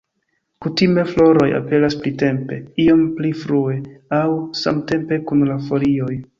Kutime floroj aperas printempe, iom pli frue aŭ samtempe kun la folioj.